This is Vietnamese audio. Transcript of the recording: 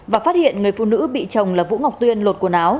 và phát hiện người phụ nữ bị chồng là vũ ngọc tuyên lột quần áo